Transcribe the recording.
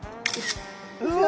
うわ。